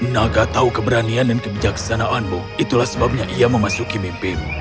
naga tahu keberanian dan kebijaksanaanmu itulah sebabnya ia memasuki mimpimu